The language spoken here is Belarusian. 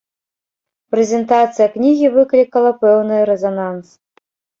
Прэзентацыя кнігі выклікала пэўны рэзананс.